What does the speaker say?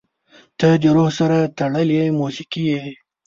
• ته د روح سره تړلې موسیقي یې.